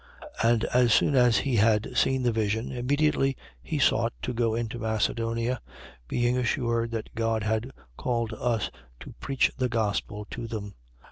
16:10. And as soon as he had seen the vision, immediately we sought to go into Macedonia: being assured that God had called us to preach the gospel to them.